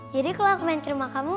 jadi kalau aku main di rumah kamu